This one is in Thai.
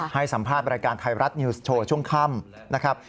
ให้สัมภาษณ์รายการไทยรัฐนิวส์โชว์ช่วงค่ำนะครับ